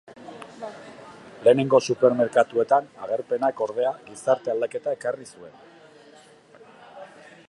Lehenengo supermerkatuen agerpenak ordea, gizarte aldaketa ekarri zuen.